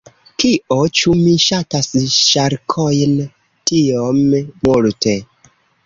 Kio? Ĉu mi ŝatas ŝarkojn tiom multe?